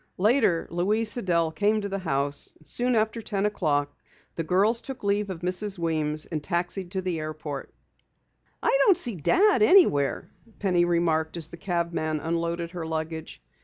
Later, Louise Sidell came to the house. Soon after ten o'clock the girls took leave of Mrs. Weems, taxiing to the airport. "I don't see Dad anywhere," Penny remarked as the cabman unloaded her luggage.